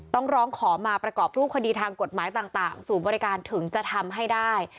ต้องร้องขอมาประกอบรูปคดีทางกฎหมายต่างศูนย์บริการถึงจะทำให้ได้